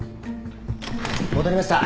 戻りました。